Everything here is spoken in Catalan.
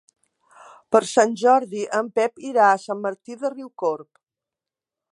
Per Sant Jordi en Pep irà a Sant Martí de Riucorb.